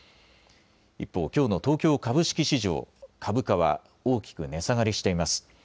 一方、きょうの東京株式市場、株価は大きく値下がりしています。